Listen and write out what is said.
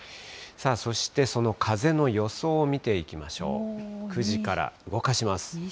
そして、その風の予想を見ていきましょう。